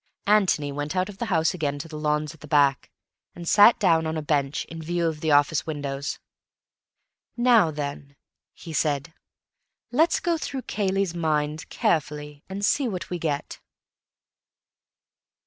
Antony went out of the house again to the lawns at the back, and sat down on a bench in view of the office windows. "Now then," he said, "let's go through Cayley's mind carefully, and see what we get."